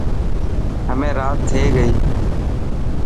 همي رات ٿي گئي.